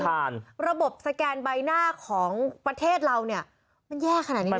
ระบบสแกนใบหน้าของประเทศเราเนี่ยมันแย่ขนาดนี้